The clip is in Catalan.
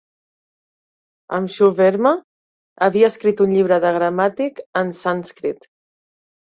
Amshuverma havia escrit un llibre de gramàtic en sànscrit.